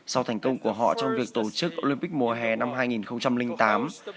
sau thành công của họ trong việc tổ chức olympic mùa hè năm hai nghìn tám